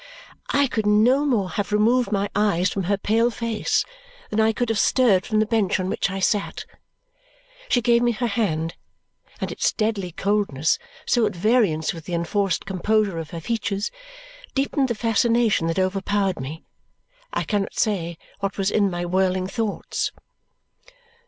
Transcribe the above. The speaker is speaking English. I could no more have removed my eyes from her pale face than I could have stirred from the bench on which I sat. She gave me her hand, and its deadly coldness, so at variance with the enforced composure of her features, deepened the fascination that overpowered me. I cannot say what was in my whirling thoughts.